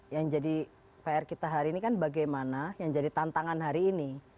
yang jadi pr kita hari ini kan bagaimana yang jadi tantangan hari ini